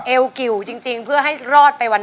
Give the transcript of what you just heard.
กิวจริงเพื่อให้รอดไปวัน